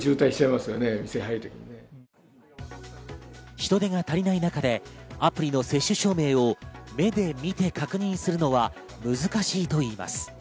人出が足りない中でアプリの接種証明を目で見て確認するのは難しいといいます。